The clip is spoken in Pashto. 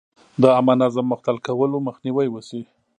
د عامه نظم د مختل کولو مخنیوی وشي.